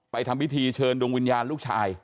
ทำพิธีเชิญดวงวิญญาณลูกชาย